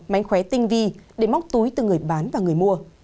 mánh khóe tinh vi để móc túi từ người bán và người mua